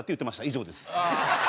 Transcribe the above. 以上です。